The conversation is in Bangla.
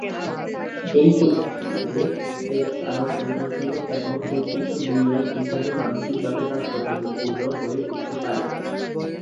এই পরিস্থিতিতে সেক্স আরো সন্তোষজনক এবং অতিরিক্ত বিনিয়োগ হিসাবে মানসিকভাবে তাৎপর্যপূর্ণ হয়ে উঠতে পারে।